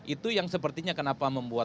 itu yang sepertinya kenapa membuat